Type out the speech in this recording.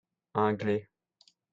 Anglais.